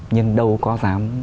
nhưng đâu có dám